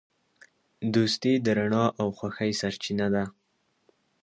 دوستي د رڼا او خوښۍ سرچینه ده.